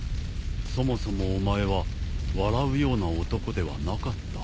そもそもお前は笑うような男ではなかったはずだが。